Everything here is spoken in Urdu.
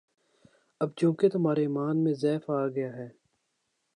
اب چونکہ تمہارے ایمان میں ضعف آ گیا ہے،